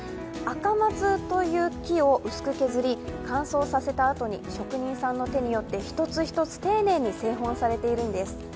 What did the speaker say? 赤松という木を薄く削り乾燥させたあとに職人さんの手によって一つ一つ丁寧に製本されているんです。